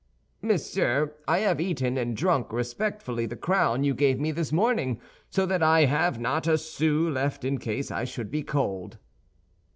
"Monsieur, I have eaten and drunk respectfully the crown you gave me this morning, so that I have not a sou left in case I should be cold."